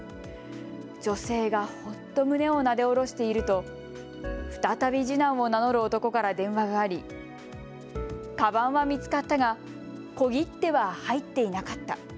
女性がほっと胸をなで下ろしていると再び次男を名乗る男から電話がありカバンは見つかったが小切手は入っていなかった。